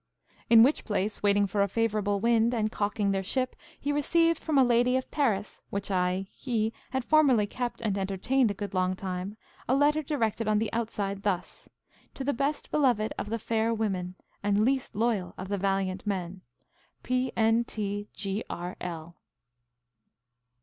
In which place, waiting for a favourable wind, and caulking their ship, he received from a lady of Paris, which I (he) had formerly kept and entertained a good long time, a letter directed on the outside thus, To the best beloved of the fair women, and least loyal of the valiant men P.N.T.G.R.L.